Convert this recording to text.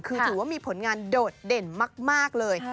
คือถือว่ามีผลงานโดดเด่นมากเลย